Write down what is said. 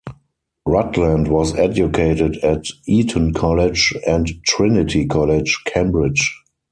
Rutland was educated at Eton College and Trinity College, Cambridge.